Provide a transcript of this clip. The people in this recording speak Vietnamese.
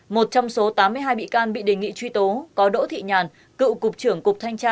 một trong số tám mươi hai bị can bị đề nghị truy tố có đỗ thị nhàn cựu cục trưởng cục thanh tra